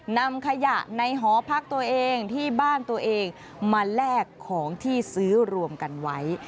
นำขยะในหอพักตัวเองที่บ้านตัวเองมาแลกของที่ซื้อรวมกันไว้